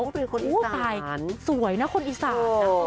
ไม่ได้เป็นคนอีสานสวยนะคนอีสานนะ